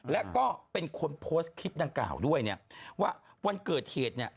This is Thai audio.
และก็เป็นคนโพสต์คลิปดังกล่าวด้วยว่าวันเกิดเหตุ